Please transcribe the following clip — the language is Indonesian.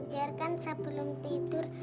jangan sebelum tidur